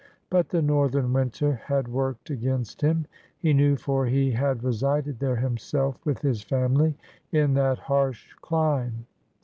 But the northern winter had worked against him. He knew, for he had resided there himself with his family in that harsh dime.